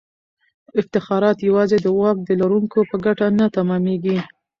افتخارات یوازې د واک لرونکو په ګټه نه تمامیږي.